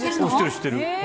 知ってる。